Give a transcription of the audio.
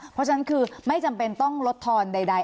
เพราะฉะนั้นคือไม่จำเป็นต้องลดทอนใด